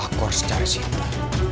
akur secara sinta